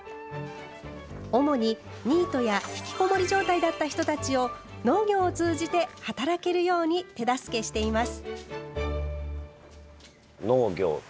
主にニートや引きこもり状態だった人たちを農業を通じて働けるように手助けしています。